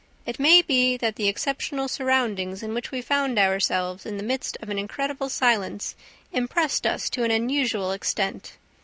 It may be that the exceptional surroundings in which we found ourselves, in the midst of an incredible silence, impressed us to an unusual extent.